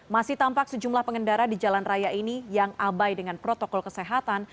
masih tampak sejumlah pengendara di jalan raya ini yang abai dengan protokol kesehatan